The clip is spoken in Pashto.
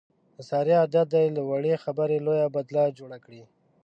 د سارې عادت دی، له وړې خبرې لویه بدله جوړه کړي.